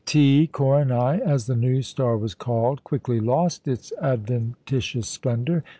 T Coronæ (as the new star was called) quickly lost its adventitious splendour.